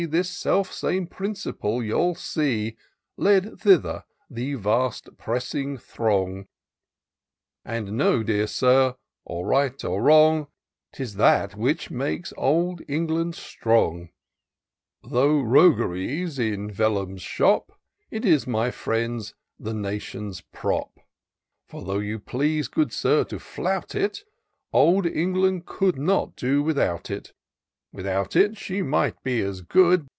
This self same principle you'll see Lead thither the vast, pressing throng: And know, dear Sir, or right or wrong, 'Tis that which makes Old England strong, Though roguery's in VellunCs shop, It is, my friend, the nation's prop: And though you please, good Sir, to flout it. Old England could not do without it. Without it she might be as good.